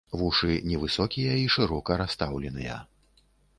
Вушы невысокія і шырока расстаўленыя.